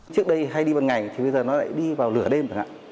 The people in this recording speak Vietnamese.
trước đây hay đi vào ngày bây giờ nó lại đi vào lửa đêm